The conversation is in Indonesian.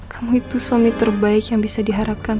kamu itu suami terbaik yang bisa diharapkan